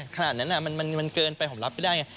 ขนาดนั้นมันเกินไปผมรับไม่ได้ไง